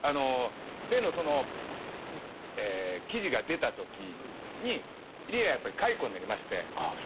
例の記事が出たときに入江はやっぱり解雇になりまして。